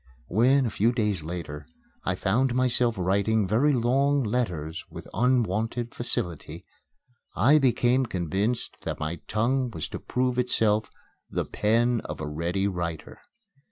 When, a few days later, I found myself writing very long letters with unwonted facility, I became convinced that my tongue was to prove itself "the pen of a ready writer."